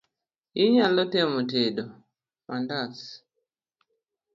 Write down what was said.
Inyalo temo tedo manda?